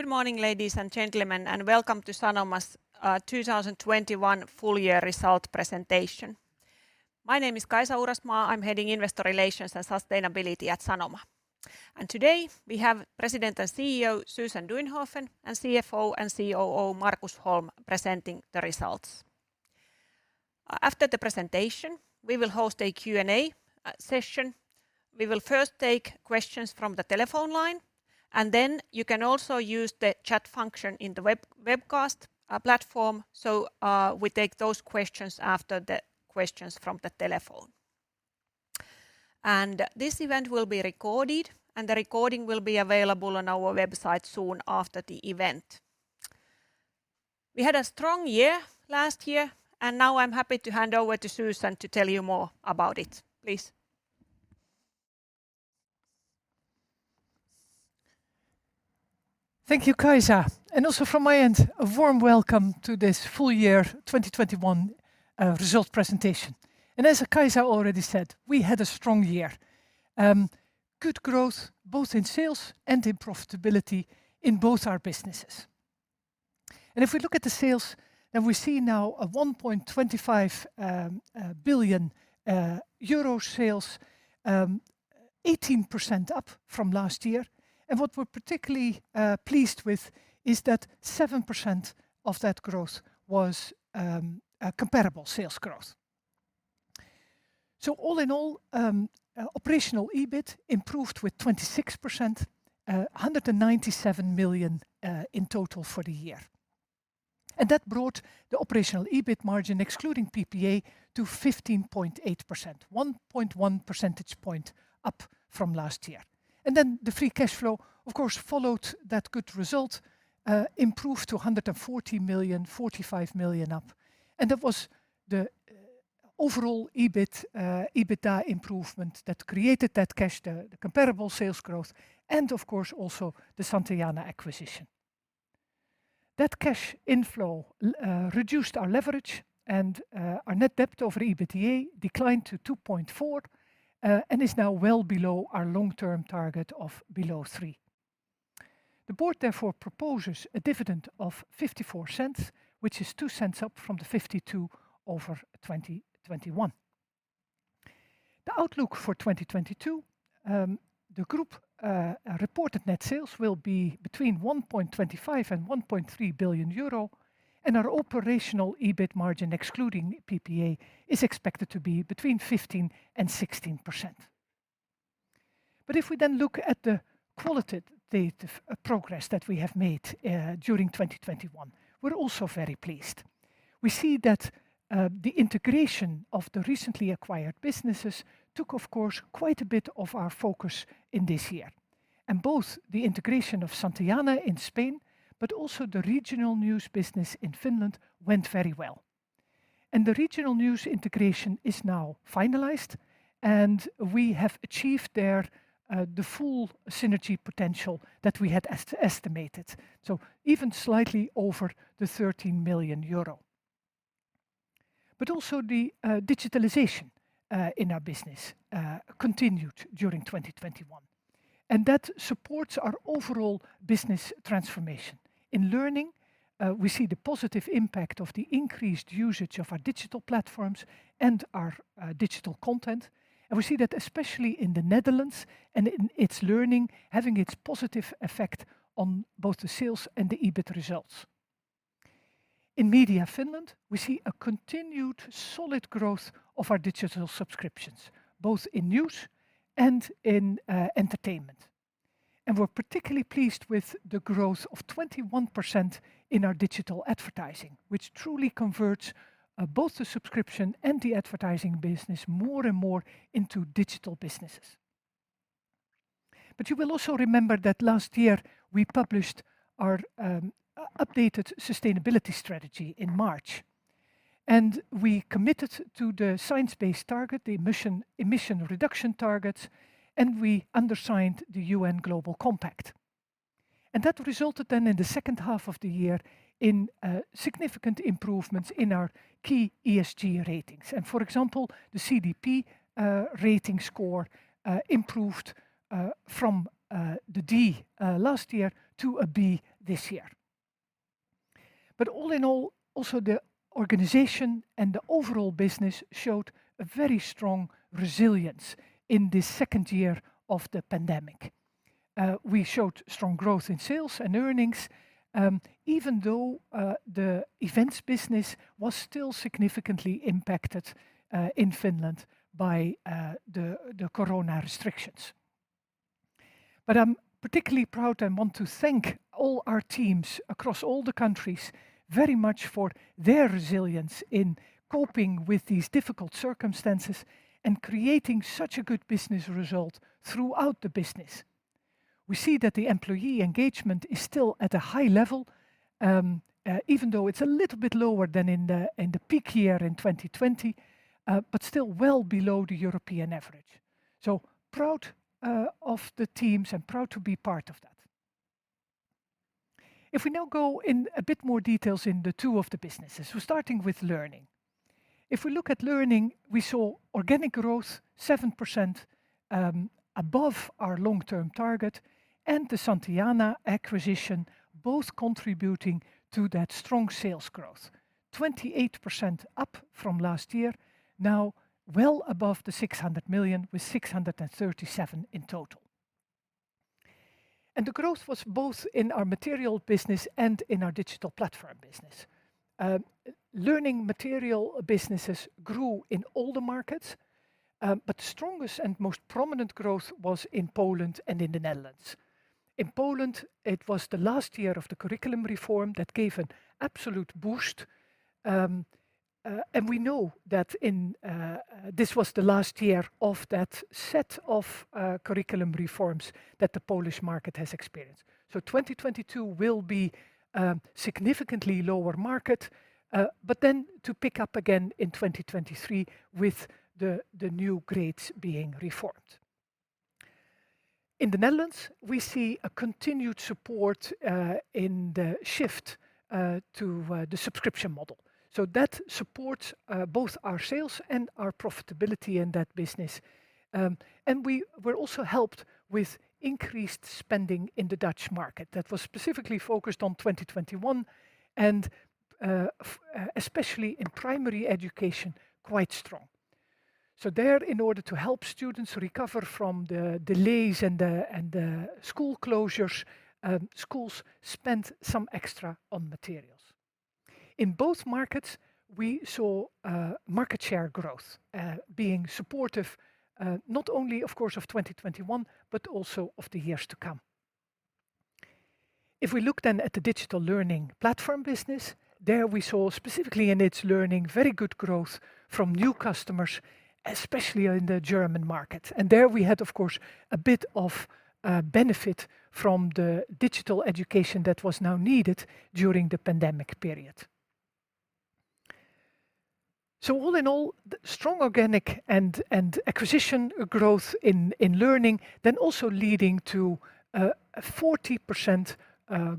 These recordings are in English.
Good morning, ladies and gentlemen, and welcome to Sanoma's 2021 full year result presentation. My name is Kaisa Uurasmaa. I'm heading Investor Relations and Sustainability at Sanoma. Today, we have President and CEO Susan Duinhoven, and CFO and COO Markus Holm, presenting the results. After the presentation, we will host a Q&A session. We will first take questions from the telephone line, and then you can also use the chat function in the webcast platform. We take those questions after the questions from the telephone. This event will be recorded, and the recording will be available on our website soon after the event. We had a strong year last year, and now I'm happy to hand over to Susan to tell you more about it. Please. Thank you, Kaisa. Also from my end, a warm welcome to this full year 2021 result presentation. As Kaisa already said, we had a strong year. Good growth both in sales and in profitability in both our businesses. If we look at the sales, then we see now 1.25 billion euro sales, 18% up from last year. What we're particularly pleased with is that 7% of that growth was comparable sales growth. All in all, operational EBIT improved with 26%, 197 million in total for the year. That brought the operational EBIT margin, excluding PPA, to 15.8%, 1.1 percentage points up from last year. The free cash flow, of course, followed that good result, improved to 140 million, 45 million up. That was the overall EBIT EBITDA improvement that created that cash, the comparable sales growth, and of course also the Santillana acquisition. That cash inflow reduced our leverage, and our net debt over EBITDA declined to 2.4, and is now well below our long-term target of below three. The board therefore proposes a dividend of 0.54, which is 0.02 up from the 0.52 over 2021. The outlook for 2022, the group reported net sales will be between 1.25 billion and 1.3 billion euro, and our operational EBIT margin, excluding PPA, is expected to be between 15% and 16%. If we then look at the qualitative progress that we have made during 2021, we're also very pleased. We see that the integration of the recently acquired businesses took of course quite a bit of our focus in this year. Both the integration of Santillana in Spain, but also the regional news business in Finland went very well. The regional news integration is now finalized, and we have achieved there the full synergy potential that we had estimated. Even slightly over 13 million euro. Also the digitalization in our business continued during 2021. That supports our overall business transformation. In Learning, we see the positive impact of the increased usage of our digital platforms and our digital content, and we see that especially in the Netherlands and in itslearning, having its positive effect on both the sales and the EBIT results. In Media Finland, we see a continued solid growth of our digital subscriptions, both in news and in entertainment. We're particularly pleased with the growth of 21% in our digital advertising, which truly converts both the subscription and the advertising business more and more into digital businesses. You will also remember that last year we published our updated sustainability strategy in March, and we committed to the science-based target, the emission reduction targets, and we signed the UN Global Compact. That resulted then in the second half of the year in significant improvements in our key ESG ratings. For example, the CDP rating score improved from the D last year to a B this year. All in all, also the organization and the overall business showed a very strong resilience in this second year of the pandemic. We showed strong growth in sales and earnings, even though the events business was still significantly impacted in Finland by the corona restrictions. I'm particularly proud and want to thank all our teams across all the countries very much for their resilience in coping with these difficult circumstances and creating such a good business result throughout the business. We see that the employee engagement is still at a high level, even though it's a little bit lower than in the peak year in 2020, but still well above the European average. Proud of the teams and proud to be part of that. If we now go in a bit more details in the two of the businesses, we're starting with Learning. If we look at Learning, we saw organic growth 7% above our long-term target and the Santillana acquisition both contributing to that strong sales growth. 28% up from last year, now well above the 600 million, with 637 million in total. The growth was both in our material business and in our digital platform business. Learning material businesses grew in all the markets. Strongest and most prominent growth was in Poland and in the Netherlands. In Poland, it was the last year of the curriculum reform that gave an absolute boost, and we know that this was the last year of that set of curriculum reforms that the Polish market has experienced. 2022 will be significantly lower market, but then to pick up again in 2023 with the new grades being reformed. In the Netherlands, we see a continued support in the shift to the subscription model. That supports both our sales and our profitability in that business. We were also helped with increased spending in the Dutch market that was specifically focused on 2021 and especially in primary education, quite strong. There, in order to help students recover from the delays and the school closures, schools spent some extra on materials. In both markets, we saw market share growth being supportive, not only of course of 2021, but also of the years to come. If we look then at the digital learning platform business, there we saw specifically in itslearning very good growth from new customers, especially in the German market. There we had, of course, a bit of benefit from the digital education that was now needed during the pandemic period. All in all, strong organic and acquisition growth in Learning, then also leading to a 40%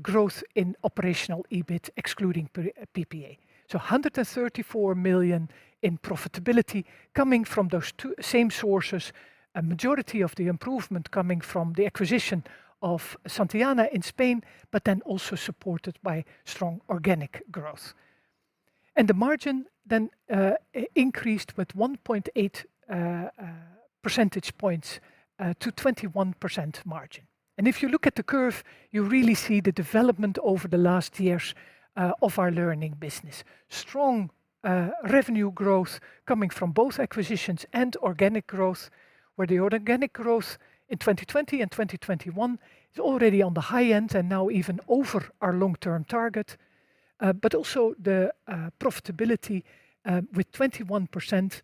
growth in operational EBIT excluding PPA. 134 million in profitability coming from those two same sources, a majority of the improvement coming from the acquisition of Santillana in Spain, but then also supported by strong organic growth. The margin then increased with 1.8 percentage points to 21% margin. If you look at the curve, you really see the development over the last years of our Learning business. Strong revenue growth coming from both acquisitions and organic growth, where the organic growth in 2020 and 2021 is already on the high end and now even over our long-term target. also the profitability with 21%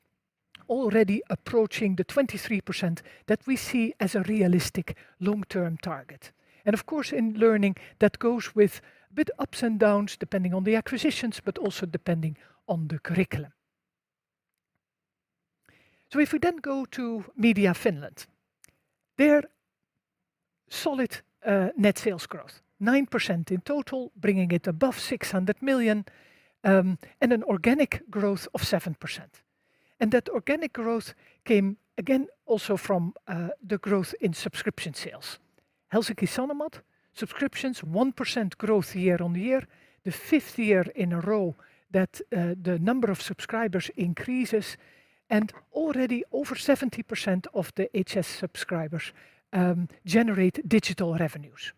already approaching the 23% that we see as a realistic long-term target. Of course, in learning, that goes with bit ups and downs, depending on the acquisitions, but also depending on the curriculum. If we then go to Media Finland, they're solid net sales growth, 9% in total, bringing it above 600 million, and an organic growth of 7%. That organic growth came again also from the growth in subscription sales. Helsingin Sanomat subscriptions, 1% growth year-on-year, the fifth year in a row that the number of subscribers increases and already over 70% of the HS subscribers generate digital revenues.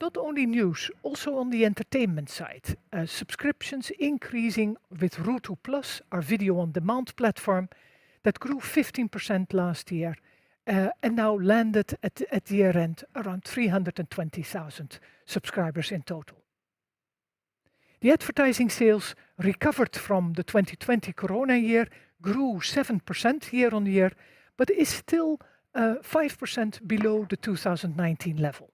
Not only news, also on the entertainment side, subscriptions increasing with Ruutu+, our video-on-demand platform that grew 15% last year and now landed at year-end around 320,000 subscribers in total. The advertising sales recovered from the 2020 corona year, grew 7% year on year, but is still 5% below the 2019 level.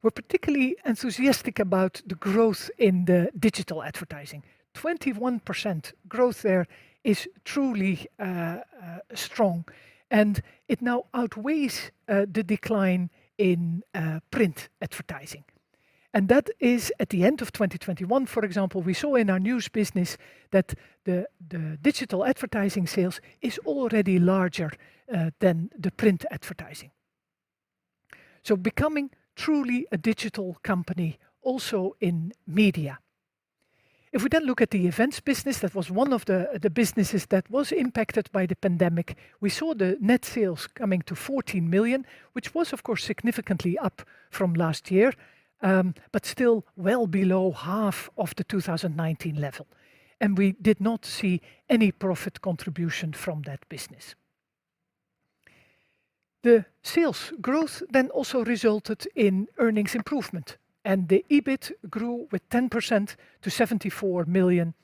We're particularly enthusiastic about the growth in the digital advertising. 21% growth there is truly strong, and it now outweighs the decline in print advertising. That is at the end of 2021, for example, we saw in our news business that the digital advertising sales is already larger than the print advertising. Becoming truly a digital company also in media. If we look at the events business, that was one of the businesses that was impacted by the pandemic, we saw the net sales coming to 40 million, which was of course significantly up from last year, but still well below half of the 2019 level. We did not see any profit contribution from that business. The sales growth then also resulted in earnings improvement, and the EBIT grew with 10% to 74 million.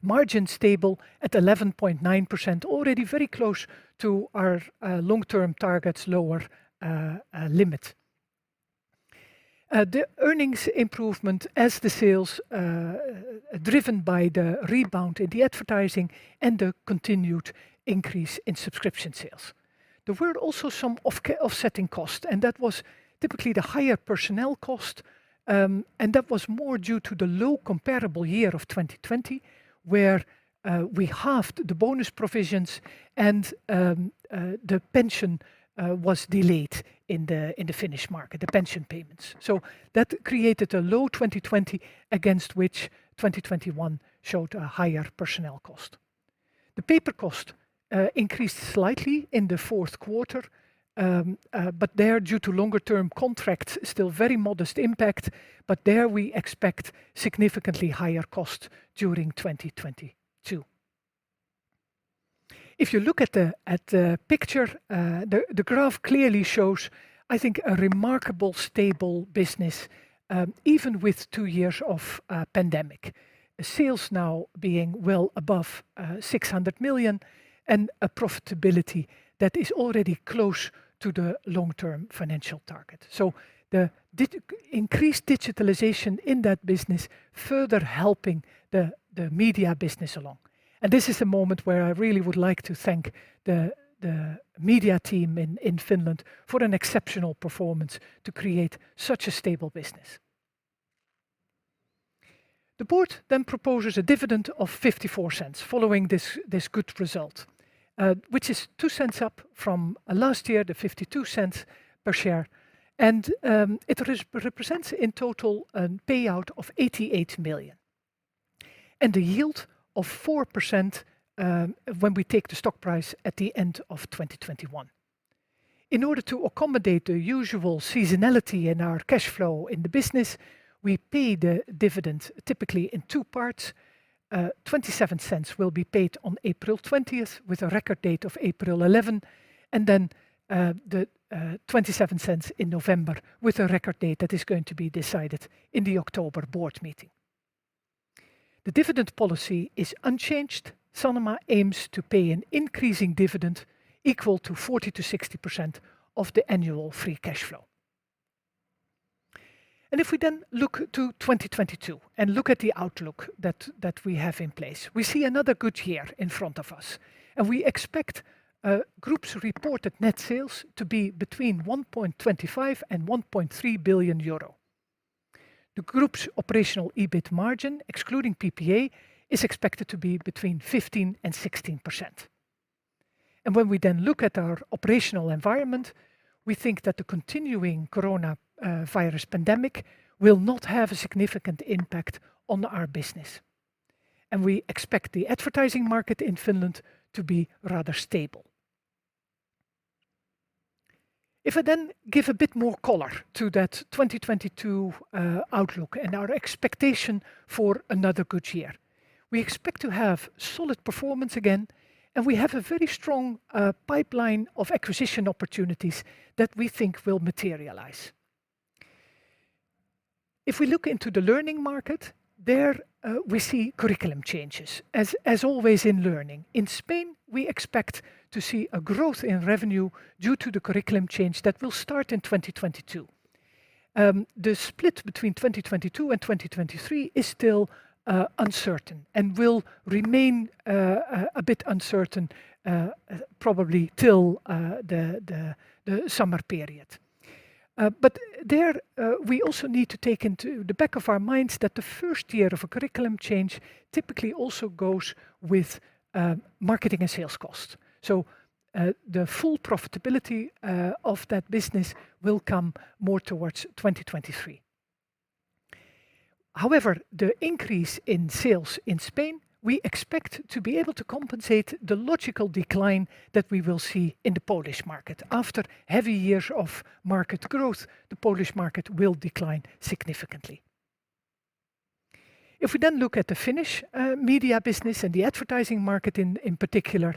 Margin stable at 11.9%, already very close to our long-term target's lower limit. The earnings improvement as the sales driven by the rebound in the advertising and the continued increase in subscription sales. There were also some offsetting costs, and that was typically the higher personnel cost, and that was more due to the low comparable year of 2020, where we halved the bonus provisions and the pension was delayed in the Finnish market, the pension payments. That created a low 2020 against which 2021 showed a higher personnel cost. The paper cost increased slightly in the Q4, but there due to longer term contracts, still very modest impact, but there we expect significantly higher costs during 2022. If you look at the picture, the graph clearly shows, I think, a remarkably stable business, even with two years of pandemic. Sales now being well above 600 million and a profitability that is already close to the long-term financial target. Increased digitalization in that business further helping the media business along. This is a moment where I really would like to thank the media team in Finland for an exceptional performance to create such a stable business. The board proposes a dividend of 0.54 following this good result, which is 0.02 up from last year, the 0.52 per share. It represents in total a payout of 88 million. A yield of 4% when we take the stock price at the end of 2021. In order to accommodate the usual seasonality in our cash flow in the business, we pay the dividend typically in two parts. 0.27 will be paid on 20 April, with a record date of 11 April, and then the 0.27 in November, with a record date that is going to be decided in the October board meeting. The dividend policy is unchanged. Sanoma aims to pay an increasing dividend equal to 40%-60% of the annual free cash flow. If we then look to 2022 and look at the outlook that we have in place, we see another good year in front of us. We expect group's reported net sales to be between 1.25 billion and 1.3 billion euro. The group's operational EBIT margin, excluding PPA, is expected to be between 15% and 16%. When we then look at our operational environment, we think that the continuing coronavirus pandemic will not have a significant impact on our business. We expect the advertising market in Finland to be rather stable. If I then give a bit more color to that 2022 outlook and our expectation for another good year, we expect to have solid performance again, and we have a very strong pipeline of acquisition opportunities that we think will materialize. If we look into the learning market, we see curriculum changes, as always in learning. In Spain, we expect to see a growth in revenue due to the curriculum change that will start in 2022. The split between 2022 and 2023 is still uncertain and will remain a bit uncertain, probably till the summer period. There, we also need to take into the back of our minds that the first year of a curriculum change typically also goes with marketing and sales costs. The full profitability of that business will come more towards 2023. However, the increase in sales in Spain, we expect to be able to compensate the logical decline that we will see in the Polish market. After heavy years of market growth, the Polish market will decline significantly. If we then look at the Finnish media business and the advertising market in particular,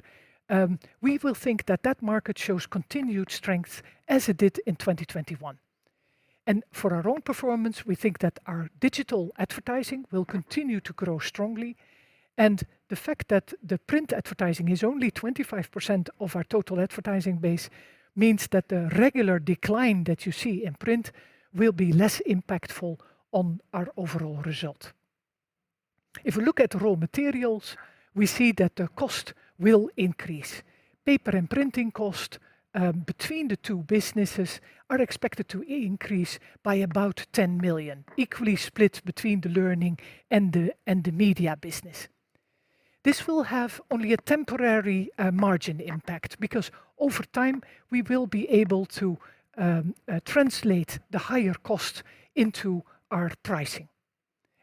we will think that that market shows continued strength as it did in 2021. For our own performance, we think that our digital advertising will continue to grow strongly. The fact that the print advertising is only 25% of our total advertising base means that the regular decline that you see in print will be less impactful on our overall result. If we look at raw materials, we see that the cost will increase. Paper and printing cost between the two businesses are expected to increase by about 10 million, equally split between the Learning and the Media business. This will have only a temporary margin impact because over time, we will be able to translate the higher cost into our pricing.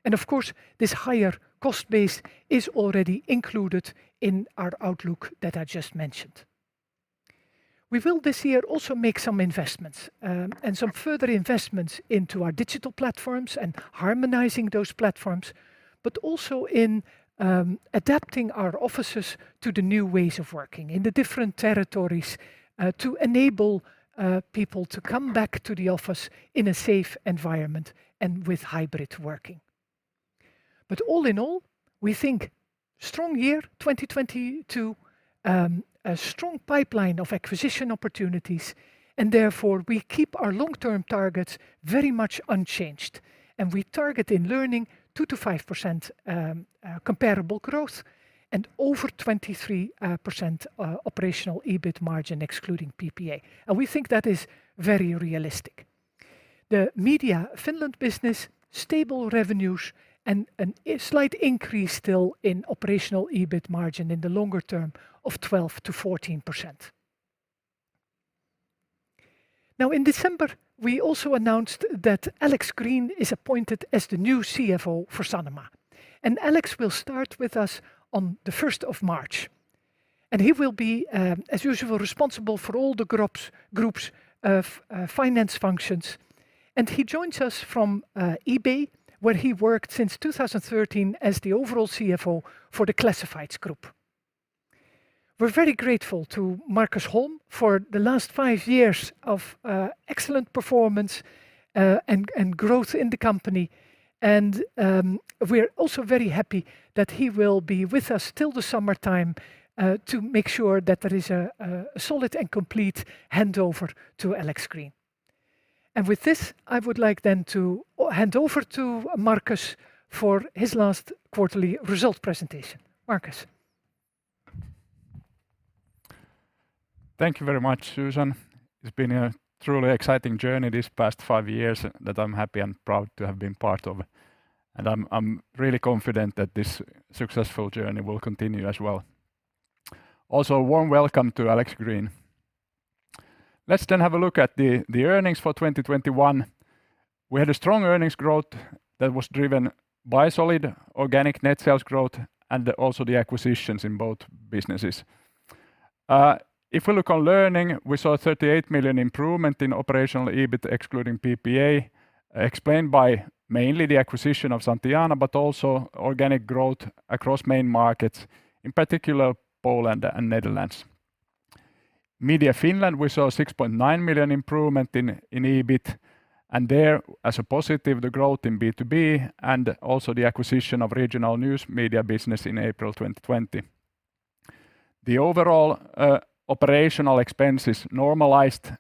Of course, this higher cost base is already included in our outlook that I just mentioned. We will this year also make some investments, and some further investments into our digital platforms and harmonizing those platforms, but also in, adapting our offices to the new ways of working in the different territories, to enable, people to come back to the office in a safe environment and with hybrid working. All in all, we think strong year 2022, a strong pipeline of acquisition opportunities, and therefore we keep our long-term targets very much unchanged. We target in Learning 2%-5% comparable growth and over 23% operational EBIT margin excluding PPA. We think that is very realistic. The Media Finland business, stable revenues and a slight increase still in operational EBIT margin in the longer term of 12%-14%. Now, in December, we also announced that Alex Green is appointed as the new CFO for Sanoma. Alex will start with us on the 1 March. He will be, as usual, responsible for all the groups of finance functions. He joins us from eBay, where he worked since 2013 as the overall CFO for the Classifieds Group. We're very grateful to Markus Holm for the last five years of excellent performance and growth in the company. We're also very happy that he will be with us till the summertime to make sure that there is a solid and complete handover to Alex Green. With this, I would like then to hand over to Markus for his last quarterly result presentation. Markus. Thank you very much, Susan. It's been a truly exciting journey these past five years that I'm happy and proud to have been part of. I'm really confident that this successful journey will continue as well. Also, a warm welcome to Alex Green. Let's then have a look at the earnings for 2021. We had a strong earnings growth that was driven by solid organic net sales growth and also the acquisitions in both businesses. If we look on Learning, we saw a 38 million improvement in operational EBIT excluding PPA, explained by mainly the acquisition of Santillana, but also organic growth across main markets, in particular Poland and Netherlands. Media Finland, we saw a 6.9 million improvement in EBIT, and there, as a positive, the growth in B2B and also the acquisition of Regional Media in April 2020. The overall operational expenses normalized,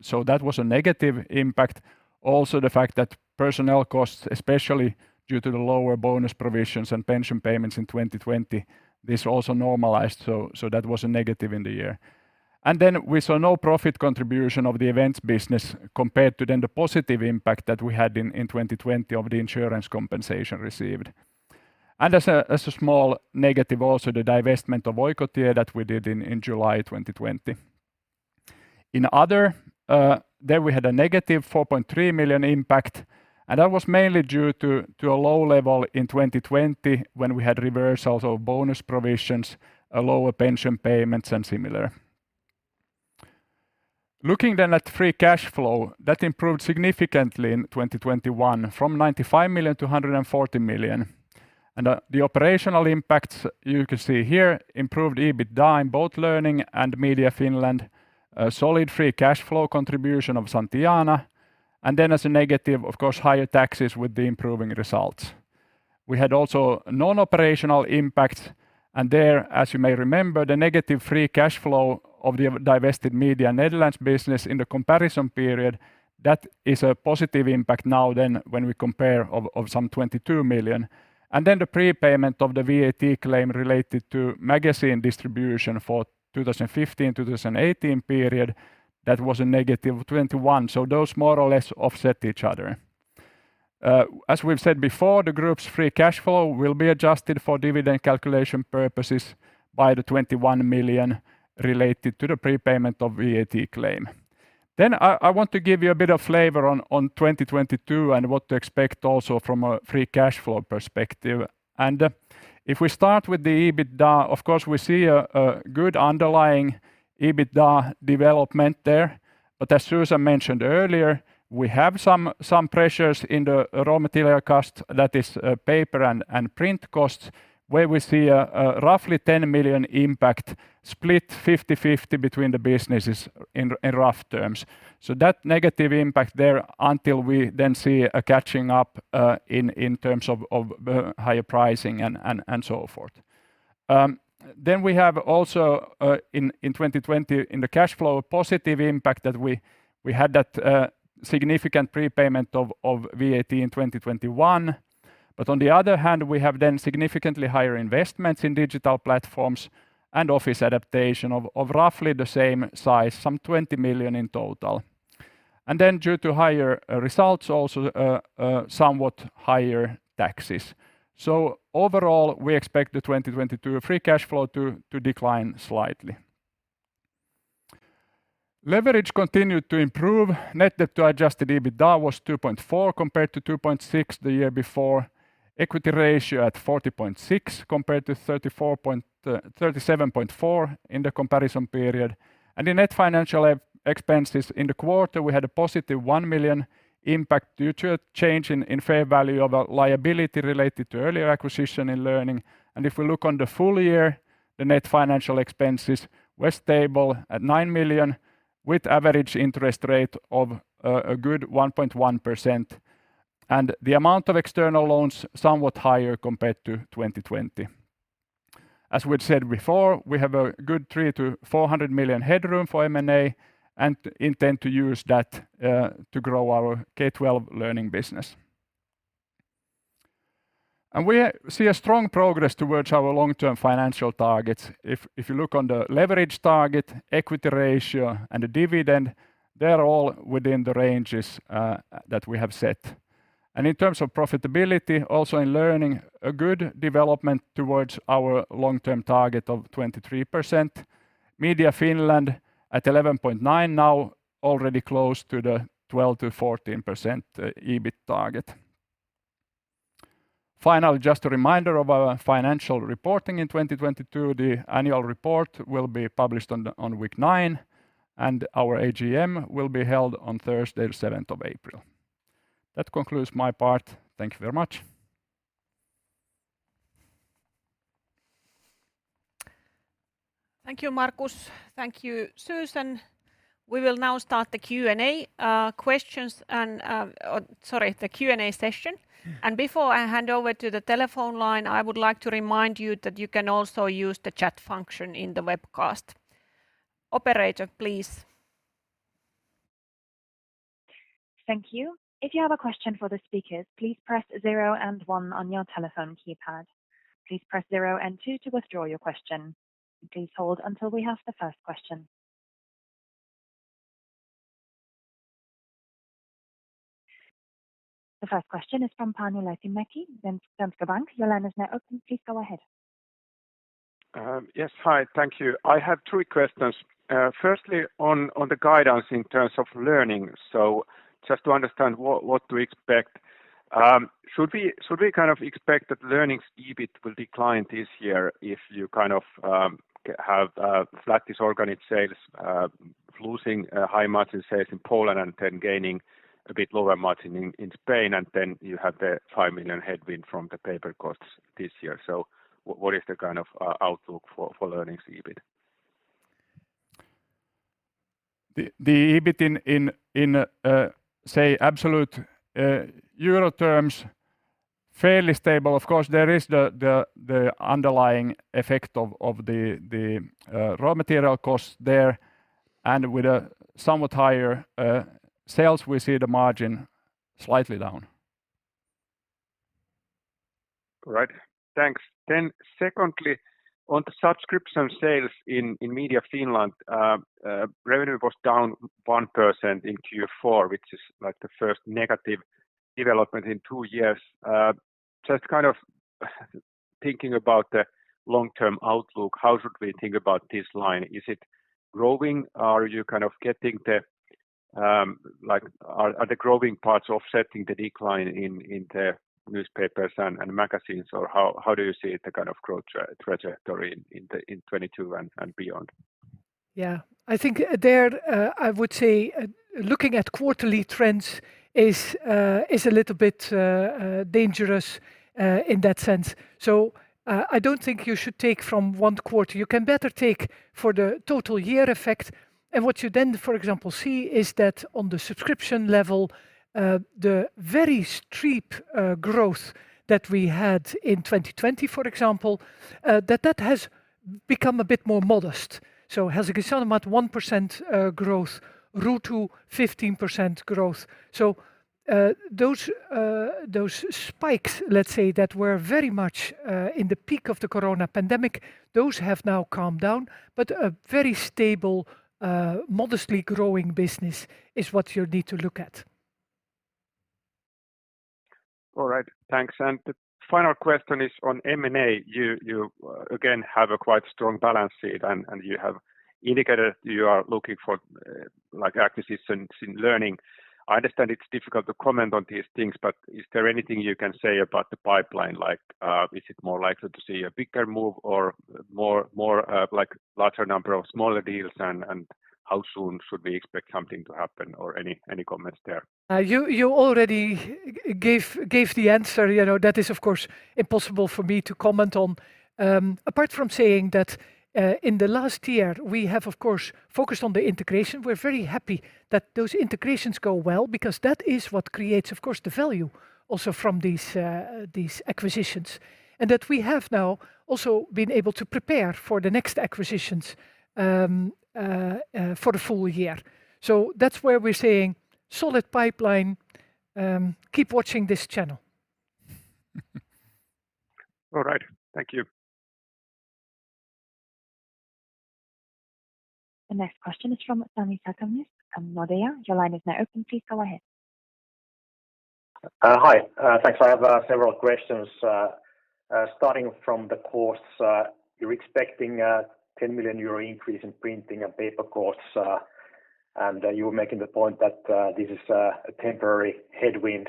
so that was a negative impact. Also, the fact that personnel costs, especially due to the lower bonus provisions and pension payments in 2020, this also normalized. That was a negative in the year. We saw no profit contribution of the events business compared to the positive impact that we had in 2020 of the insurance compensation received. As a small negative also, the divestment of Oikotie that we did in July 2020. In other, there we had a negative 4.3 million impact, and that was mainly due to a low level in 2020 when we had reversals of bonus provisions, lower pension payments and similar. Looking then at free cash flow, that improved significantly in 2021 from 95 million to 140 million. The operational impacts you can see here improved EBITDA in both Learning and Media Finland, a solid free cash flow contribution of Santillana. As a negative, of course, higher taxes with the improving results. We had also non-operational impact. There, as you may remember, the negative free cash flow of the divested Media Netherlands business in the comparison period, that is a positive impact now than when we compare of some 22 million. Then the prepayment of the VAT claim related to magazine distribution for 2015-2018 period, that was a -21. Those more or less offset each other. As we've said before, the group's free cash flow will be adjusted for dividend calculation purposes by the 21 million related to the prepayment of VAT claim. I want to give you a bit of flavor in 2022 and what to expect also from a free cash flow perspective. If we start with the EBITDA, of course, we see a good underlying EBITDA development there. As Susan mentioned earlier, we have some pressures in the raw material cost, that is, paper and print costs, where we see a roughly 10 million impact split 50-50 between the businesses in rough terms. That negative impact there until we then see a catching up in terms of higher pricing and so forth. Then we have also in 2020 in the cash flow a positive impact that we had that significant prepayment of VAT in 2021. On the other hand, we have then significantly higher investments in digital platforms and office adaptation of roughly the same size, some 20 million in total. Then due to higher results, also somewhat higher taxes. Overall, we expect the 2022 free cash flow to decline slightly. Leverage continued to improve. Net debt to adjusted EBITDA was 2.4 compared to 2.6 the year before. Equity ratio at 40.6% compared to 37.4% in the comparison period. The net financial expenses in the quarter, we had a positive 1 million impact due to a change in fair value of a liability related to earlier acquisition in Learning. If we look on the full year, the net financial expenses were stable at 9 million. With average interest rate of a good 1.1%. The amount of external loans somewhat higher compared to 2020. As we'd said before, we have a good 300 million-400 million headroom for M&A and intend to use that to grow our K12 Learning business. We see a strong progress towards our long-term financial targets. If you look on the leverage target, equity ratio, and the dividend, they're all within the ranges that we have set. In terms of profitability, also in Learning, a good development towards our long-term target of 23%. Media Finland at 11.9% now already close to the 12%-14% EBIT target. Finally, just a reminder of our financial reporting in 2022. The annual report will be published on week nine, and our AGM will be held on Thursday, the 7 April. That concludes my part. Thank you very much. Thank you, Markus. Thank you, Susan. We will now start the Q&A session. Mm. Before I hand over to the telephone line, I would like to remind you that you can also use the chat function in the webcast. Operator, please. Thank you. If you have a question for the speakers, please press zero and one on your telephone keypad. Please press zero and two to withdraw your question. Please hold until we have the first question. The first question is from Panu Laitinmäki, Danske Bank. Your line is now open. Please go ahead. Yes. Hi. Thank you. I have three questions. Firstly, on the guidance in terms of Learning, so just to understand what to expect. Should we kind of expect that Learning's EBIT will decline this year if you kind of have flat organic sales, losing high margin sales in Poland and then gaining a bit lower margin in Spain, and then you have the 5 million headwind from the paper costs this year? What is the kind of outlook for Learning's EBIT? The EBIT in, say, absolute euro terms, fairly stable. Of course, there is the underlying effect of the raw material costs there. With a somewhat higher sales, we see the margin slightly down. All right. Thanks. Secondly, on the subscription sales in Media Finland, revenue was down 1% in Q4, which is, like, the first negative development in two years. Just kind of thinking about the long-term outlook, how should we think about this line? Is it growing? Are you kind of getting the, like are the growing parts offsetting the decline in the newspapers and magazines, or how do you see the kind of growth trajectory in 2022 and beyond? Yeah. I think there, I would say, looking at quarterly trends is a little bit dangerous in that sense. I don't think you should take from one quarter. You can better take for the total year effect, and what you then, for example, see is that on the subscription level, the very steep growth that we had in 2020, for example, that has become a bit more modest. Has a considerable 1% growth through to 15% growth. Those spikes, let's say, that were very much in the peak of the corona pandemic, those have now calmed down, but a very stable, modestly growing business is what you'll need to look at. All right. Thanks. The final question is on M&A. You again have a quite strong balance sheet, and you have indicated you are looking for like acquisitions in learning. I understand it's difficult to comment on these things, but is there anything you can say about the pipeline? Like, is it more likely to see a bigger move or more like larger number of smaller deals, and how soon should we expect something to happen or any comments there? You already gave the answer. You know, that is, of course, impossible for me to comment on. Apart from saying that, in the last year, we have, of course, focused on the integration. We're very happy that those integrations go well because that is what creates, of course, the value also from these acquisitions that we have now also been able to prepare for the next acquisitions for the full year. That's where we're seeing solid pipeline. Keep watching this channel. All right. Thank you. The next question is from Sami Sarkamies from Nordea. Your line is now open. Please go ahead. Hi. Thanks. I have several questions starting from the costs. You're expecting a 10 million euro increase in printing and paper costs, and you were making the point that this is a temporary headwind.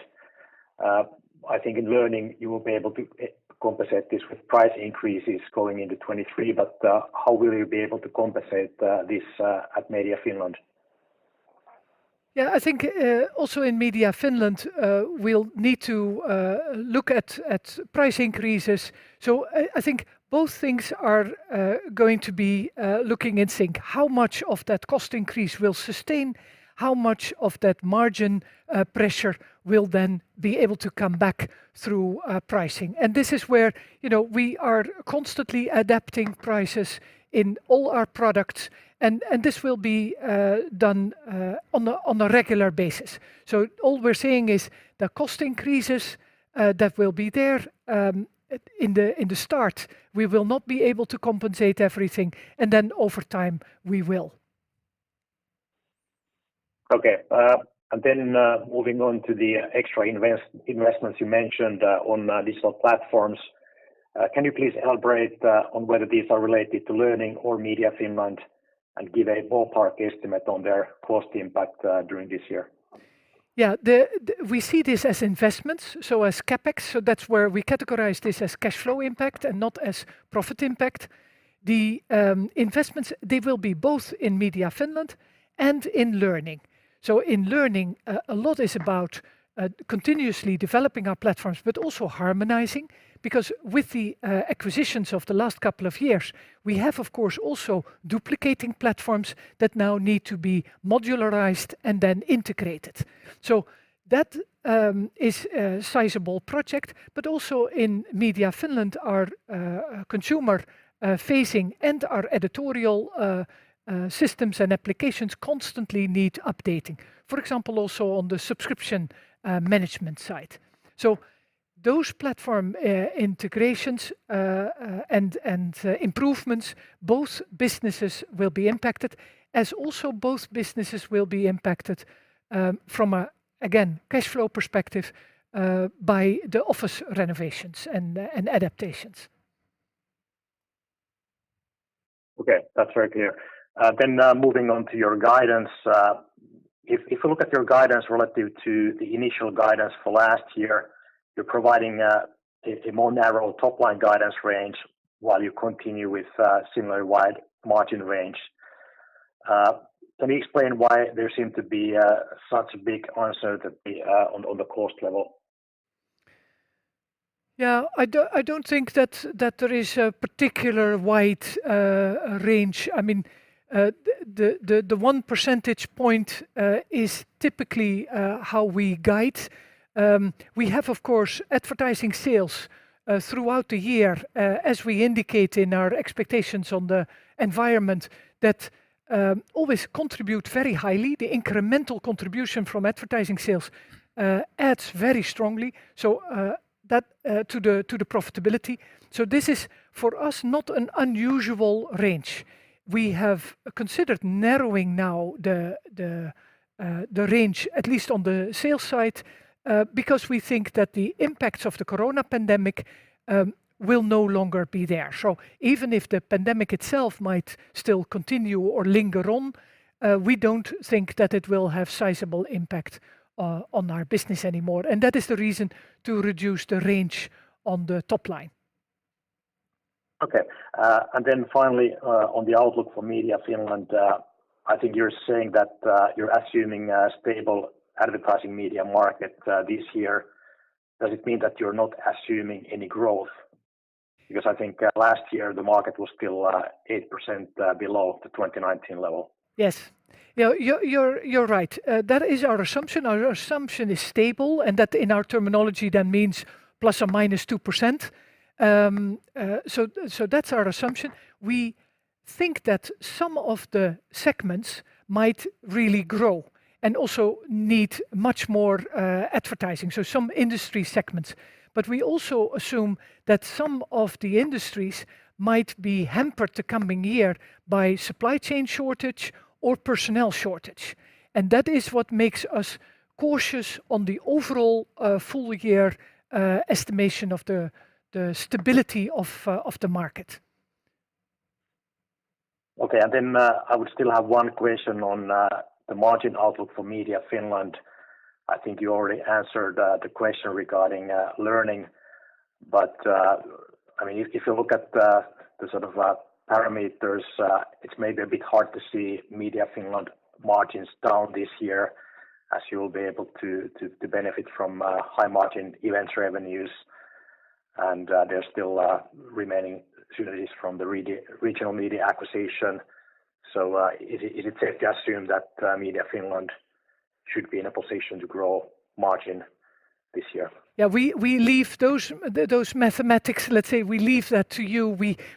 I think in Learning you will be able to compensate this with price increases going into 2023, but how will you be able to compensate this at Media Finland? Yeah, I think also in Media Finland, we'll need to look at price increases. I think both things are going to be looking in sync. How much of that cost increase we'll sustain, how much of that margin pressure will then be able to come back through pricing. This is where, you know, we are constantly adapting prices in all our products, and this will be done on a regular basis. All we're saying is the cost increases that will be there at the start, we will not be able to compensate everything, and then over time, we will. Okay. Moving on to the extra investments you mentioned on digital platforms. Can you please elaborate on whether these are related to Learning or Media Finland and give a ballpark estimate on their cost impact during this year? Yeah. We see this as investments, so as CapEx, so that's where we categorize this as cash flow impact and not as profit impact. The investments, they will be both in Media Finland and in Learning. In Learning, a lot is about continuously developing our platforms but also harmonizing because with the acquisitions of the last couple of years, we have, of course, also duplicating platforms that now need to be modularized and then integrated. That is a sizable project. Also in Media Finland, our consumer facing and our editorial systems and applications constantly need updating. For example, also on the subscription management side. Those platform integrations and improvements, both businesses will be impacted from, again, a cash flow perspective by the office renovations and adaptations. Okay, that's very clear. Moving on to your guidance. If we look at your guidance relative to the initial guidance for last year, you're providing a more narrow top-line guidance range while you continue with similar wide margin range. Can you explain why there seem to be such a big uncertainty on the cost level? Yeah. I don't think that there is a particular wide range. I mean, the one percentage point is typically how we guide. We have, of course, advertising sales throughout the year, as we indicate in our expectations on the environment that always contribute very highly. The incremental contribution from advertising sales adds very strongly, so that to the profitability. This is, for us, not an unusual range. We have considered narrowing now the range, at least on the sales side, because we think that the impacts of the corona pandemic will no longer be there. Even if the pandemic itself might still continue or linger on, we don't think that it will have sizable impact on our business anymore, and that is the reason to reduce the range on the top line. Okay. Finally, on the outlook for Media Finland, I think you're saying that you're assuming a stable advertising media market this year. Does it mean that you're not assuming any growth? Because I think last year the market was still 8% below the 2019 level. Yes. You're right. That is our assumption. Our assumption is stable, and that in our terminology that means plus or minus 2%. So that's our assumption. We think that some of the segments might really grow and also need much more advertising, so some industry segments. We also assume that some of the industries might be hampered the coming year by supply chain shortage or personnel shortage, and that is what makes us cautious on the overall full year estimation of the stability of the market. Okay. I would still have one question on the margin outlook for Media Finland. I think you already answered the question regarding Learning. I mean, if you look at the sort of parameters, it's maybe a bit hard to see Media Finland margins down this year as you will be able to benefit from high-margin events revenues, and there are still remaining synergies from the Regional Media acquisition. Is it safe to assume that Media Finland should be in a position to grow margin this year? Yeah. We leave those mathematics, let's say we leave that to you.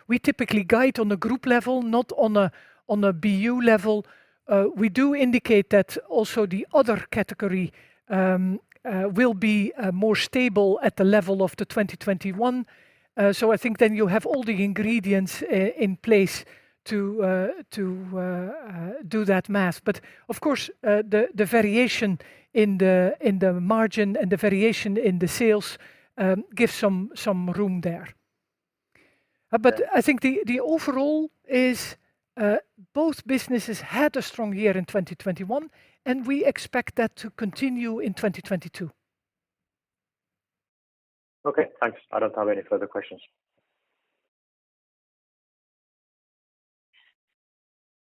We typically guide on a group level, not on a BU level. We do indicate that also the other category will be more stable at the level of 2021. I think then you have all the ingredients in place to do that math. Of course, the variation in the margin and the variation in the sales gives some room there. I think the overall is both businesses had a strong year in 2021, and we expect that to continue in 2022. Okay, thanks. I don't have any further questions.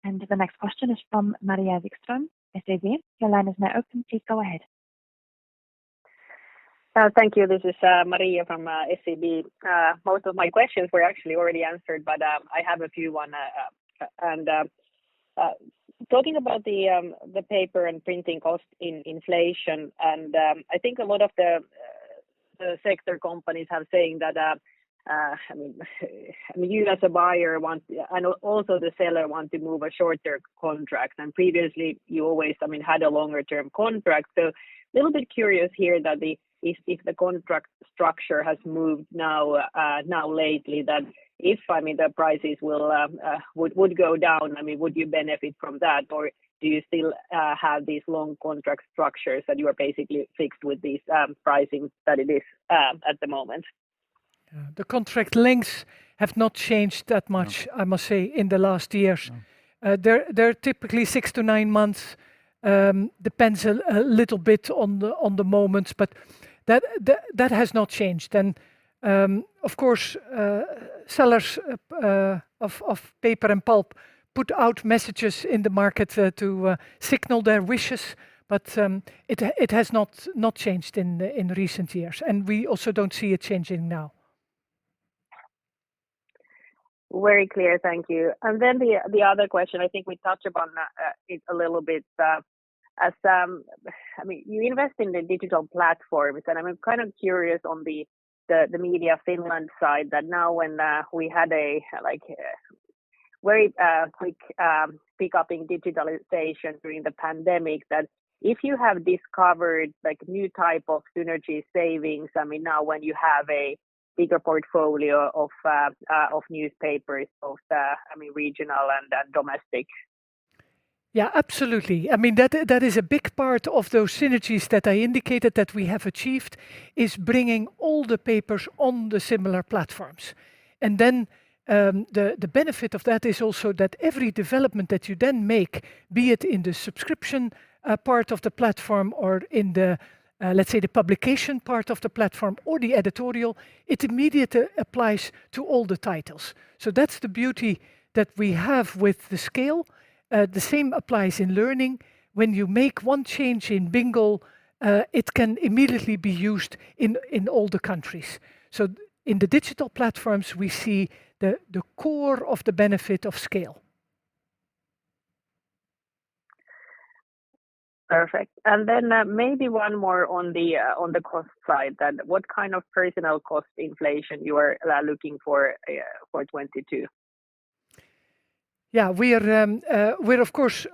The next question is from Maria Wikström, SEB. Your line is now open. Please go ahead. Thank you. This is Maria Wikström from SEB. Most of my questions were actually already answered, but I have a few on talking about the paper and printing cost in inflation, and I think a lot of the sector companies are saying that I mean you as a buyer want and also the seller wants to move a shorter contract. Previously you always I mean had a longer-term contract. Little bit curious here if the contract structure has moved now lately that if I mean the prices would go down I mean would you benefit from that? Do you still have these long contract structures that you are basically fixed with these pricing that it is at the moment? Yeah. The contract lengths have not changed that much. No I must say, in the last years. No. They're typically six to nine months. Depends a little bit on the moments, but that has not changed. Of course, sellers of paper and pulp put out messages in the market to signal their wishes, but it has not changed in recent years, and we also don't see it changing now. Very clear. Thank you. The other question, I think we touched upon it a little bit, I mean, you invest in the digital platforms, and I'm kind of curious on the Media Finland side that now when we had a like a very quick pick-up in digitalization during the pandemic, that if you have discovered like new type of synergy savings, I mean, now when you have a bigger portfolio of newspapers, both I mean regional and domestic. Yeah, absolutely. I mean, that is a big part of those synergies that I indicated that we have achieved, is bringing all the papers on the similar platforms. The benefit of that is also that every development that you then make, be it in the subscription part of the platform or in the, let's say the publication part of the platform or the editorial, it immediately applies to all the titles. That's the beauty that we have with the scale. The same applies in Learning. When you make one change in Bingel, it can immediately be used in all the countries. In the digital platforms, we see the core of the benefit of scale. Perfect. Maybe one more on the cost side, then. What kind of personnel cost inflation you are looking for 2022? Yeah. We're of course,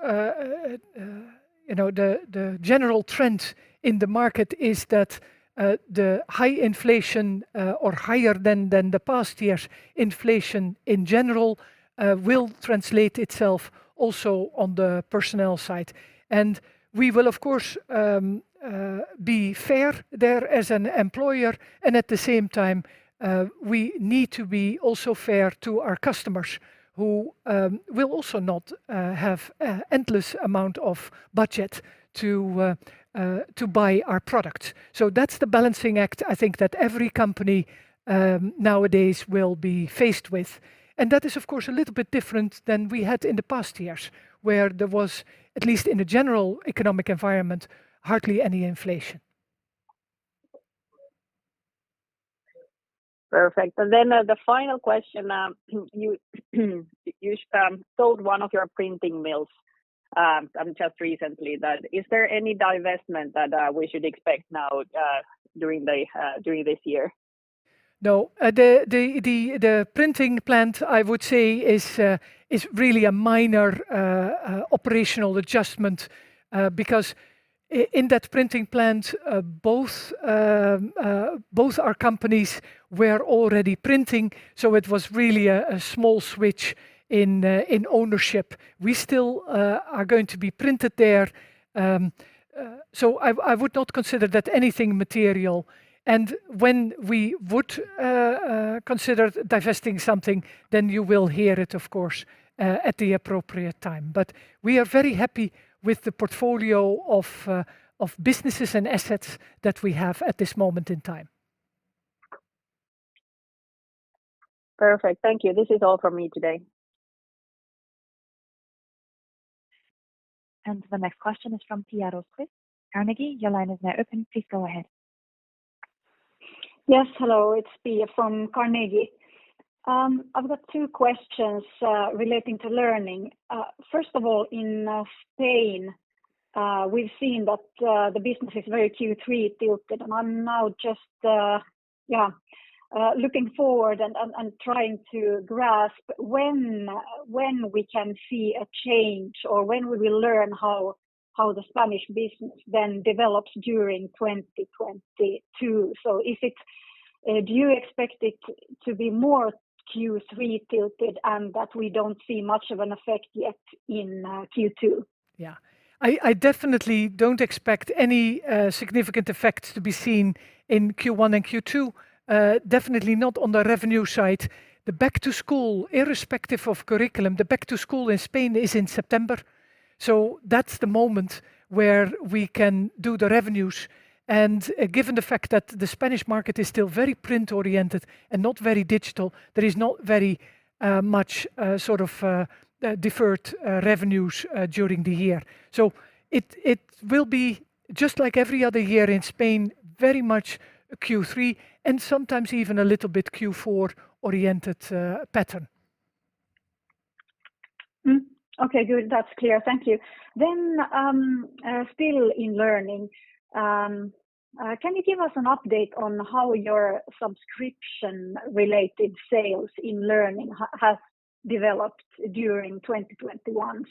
you know, the general trend in the market is that the high inflation, or higher than the past years inflation in general, will translate itself also on the personnel side. We will, of course, be fair there as an employer, and at the same time, we need to be also fair to our customers who will also not have an endless amount of budget to buy our product. That's the balancing act I think that every company nowadays will be faced with. That is of course a little bit different than we had in the past years, where there was, at least in the general economic environment, hardly any inflation. Perfect. The final question. You sold one of your printing mills just recently. Is there any divestment that we should expect now during this year? No. The printing plant, I would say, is really a minor operational adjustment, because in that printing plant, both our companies were already printing, so it was really a small switch in ownership. We still are going to be printed there. I would not consider that anything material. When we would consider divesting something, then you will hear it, of course, at the appropriate time. We are very happy with the portfolio of businesses and assets that we have at this moment in time. Perfect. Thank you. This is all from me today. The next question is from Pia Rosqvist-Heinsalmi, Carnegie. Your line is now open. Please go ahead. Yes. Hello. It's Pia from Carnegie. I've got two questions relating to Learning. First of all, in Spain, we've seen that the business is very Q3 tilted, and I'm now just looking forward and trying to grasp when we can see a change or when will we learn how the Spanish business then develops during 2022. Do you expect it to be more Q3 tilted and that we don't see much of an effect yet in Q2? Yeah. I definitely don't expect any significant effect to be seen in Q1 and Q2. Definitely not on the revenue side. The back to school, irrespective of curriculum, in Spain is in September, so that's the moment where we can do the revenues. Given the fact that the Spanish market is still very print-oriented and not very digital, there is not very much sort of deferred revenues during the year. It will be, just like every other year in Spain, very much a Q3 and sometimes even a little bit Q4-oriented pattern. Okay, good. That's clear. Thank you. Still in Learning, can you give us an update on how your subscription-related sales in Learning has developed during 2021?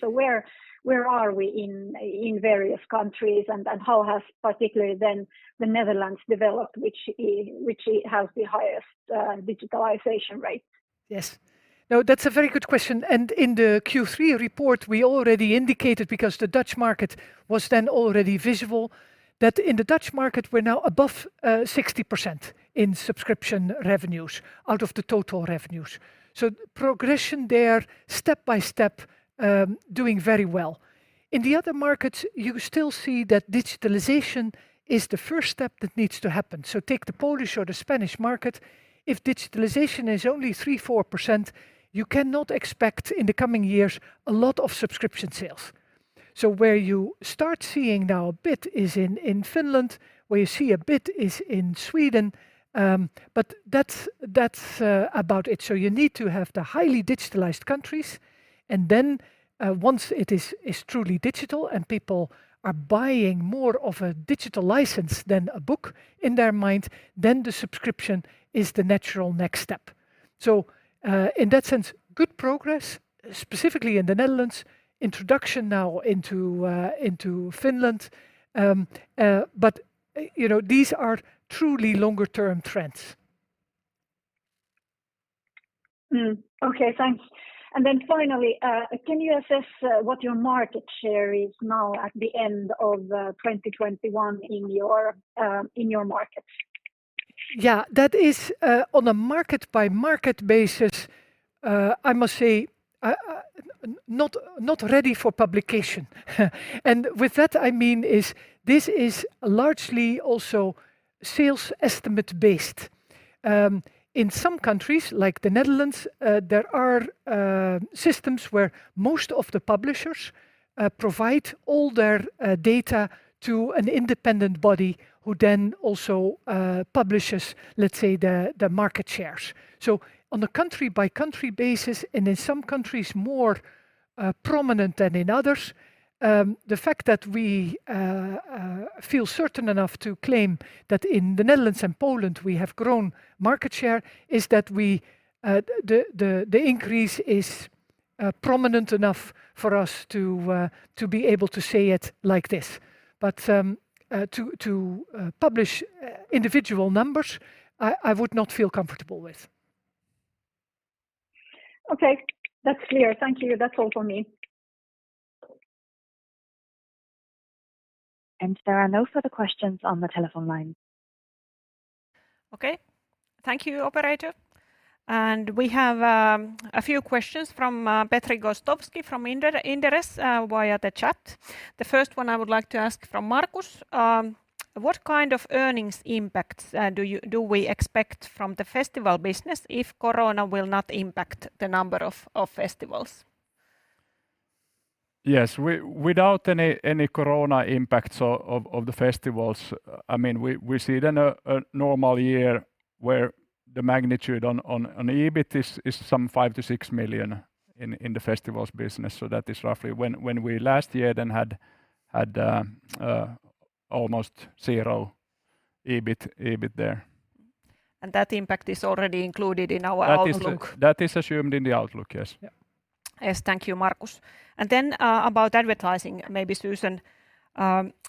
Where are we in various countries, and how has particularly then the Netherlands developed which has the highest digitalization rate? Yes. No, that's a very good question. In the Q3 report, we already indicated, because the Dutch market was then already visible, that in the Dutch market we're now above 60% in subscription revenues out of the total revenues. Progression there, step by step, doing very well. In the other markets, you still see that digitalization is the first step that needs to happen. Take the Polish or the Spanish market. If digitalization is only 3%-4%, you cannot expect in the coming years a lot of subscription sales. Where you start seeing now a bit is in Finland, where you see a bit is in Sweden, but that's about it. You need to have the highly digitized countries, and then, once it is truly digital and people are buying more of a digital license than a book in their mind, then the subscription is the natural next step. In that sense, good progress, specifically in the Netherlands. Introduction now into Finland. You know, these are truly longer-term trends. Okay, thanks. Finally, can you assess what your market share is now at the end of 2021 in your markets? Yeah. That is, on a market-by-market basis, I must say, not ready for publication. With that I mean this is largely also sales estimate based. In some countries, like the Netherlands, there are systems where most of the publishers provide all their data to an independent body who then also publishes, let's say, the market shares. On a country-by-country basis, and in some countries more prominent than in others, the fact that we feel certain enough to claim that in the Netherlands and Poland we have grown market share is that we, the increase is prominent enough for us to be able to say it like this. To publish individual numbers, I would not feel comfortable with. Okay. That's clear. Thank you. That's all for me. There are no further questions on the telephone lines. Okay. Thank you, operator. We have a few questions from Petri Gostowski from Inderes via the chat. The first one I would like to ask from Markus. What kind of earnings impacts do we expect from the festival business if corona will not impact the number of festivals? Yes. Without any corona impacts of the festivals, I mean, we see then a normal year where the magnitude on EBIT is some 5 million-6 million in the festivals business, so that is roughly when we last year then had almost zero EBIT there. That impact is already included in our outlook. That is assumed in the outlook, yes. Yeah. Yes. Thank you, Markus. About advertising, maybe Susan,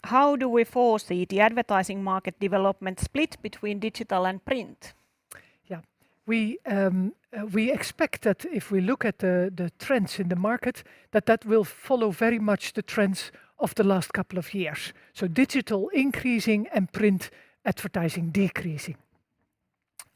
how do we foresee the advertising market development split between digital and print? We expect that if we look at the trends in the market, that will follow very much the trends of the last couple of years. Digital increasing and print advertising decreasing.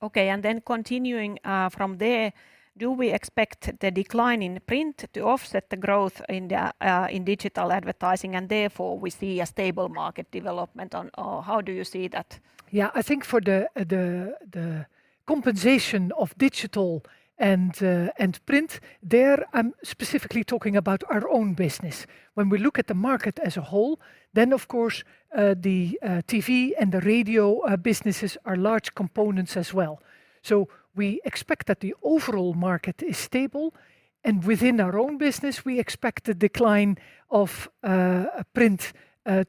Okay. Continuing from there, do we expect the decline in print to offset the growth in digital advertising, and therefore we see a stable market development, or how do you see that? I think for the compensation of digital and print, there, I'm specifically talking about our own business. When we look at the market as a whole, then of course, the TV and the radio businesses are large components as well. We expect that the overall market is stable, and within our own business, we expect the decline of print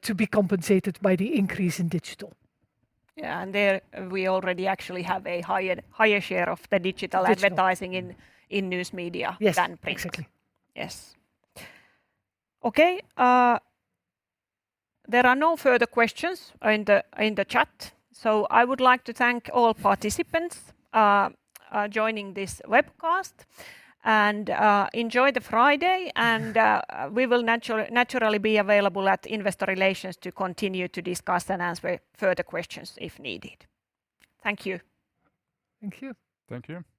to be compensated by the increase in digital. Yeah. There we already actually have a higher share of the digital Digital advertising in news media. Yes than print. Exactly. Yes. Okay. There are no further questions in the chat, so I would like to thank all participants joining this webcast. Enjoy the Friday, and we will naturally be available at Investor Relations to continue to discuss and answer further questions if needed. Thank you. Thank you. Thank you.